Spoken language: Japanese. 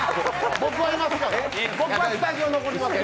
僕はスタジオ残りますよ。